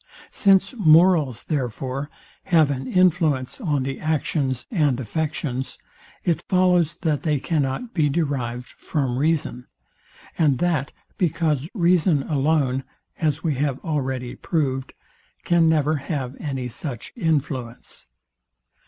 Since morals, therefore, have an influence on the actions and affections, it follows, that they cannot be derived from reason; and that because reason alone, as we have already proved, can never have any such influence.